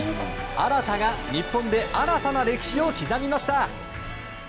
荒田が日本で新たな歴史を刻みました。